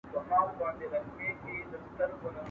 چرته هندوان، چرته توتان.